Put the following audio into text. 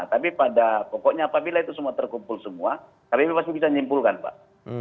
tapi pada pokoknya apabila itu semua terkumpul semua tapi ini pasti bisa dikumpulkan pak